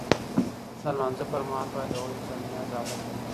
د لمانځه پر مهال باید د عجز او نیاز حالت وي.